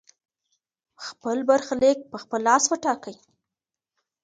خپل برخليک په خپل لاس وټاکئ.